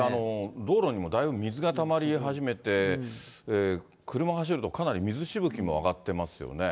道路にもだいぶ水がたまり始めて、車走るとかなり水しぶきも上がってますよね。